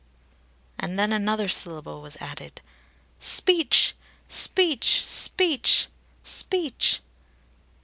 And then another syllable was added: "Speech! Speech! Speech! Speech!"